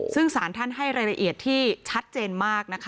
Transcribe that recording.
ซึ่งสารท่านให้รายละเอียดที่ชัดเจนมากนะคะ